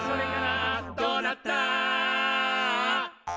「どうなった？」